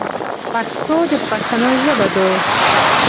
پښتو د پښتنو ژبه دو.